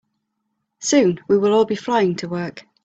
Soon, we will all be flying to work.